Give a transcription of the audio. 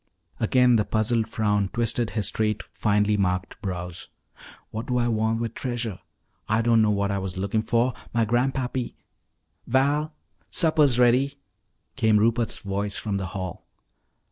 Again the puzzled frown twisted his straight, finely marked brows. "What do Ah want wi' treasure? Ah don't know what Ah was lookin' fo'. Mah grandpappy " "Val, supper's ready," came Rupert's voice from the hall.